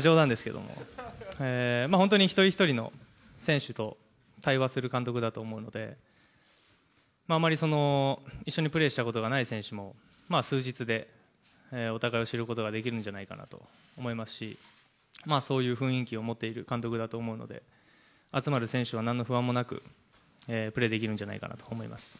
冗談ですけども、本当に一人一人の選手と対話する監督だと思うので、あんまり一緒にプレーしたことがない選手も、数日でお互いを知ることができるんじゃないかと思いますし、そういう雰囲気を持っている監督だと思うので、集まる選手はなんの不安もなく、プレーできるんじゃないかと思います。